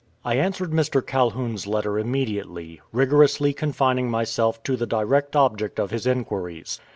I answered Mr. Calhoun's letter immediately, rigorously confining myself to the direct object of his inquiries.